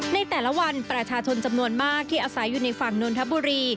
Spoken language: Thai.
ในแต่ละวันประชาชนจำนวนมากที่อาศัยอยู่ในฝั่งนนทบุรี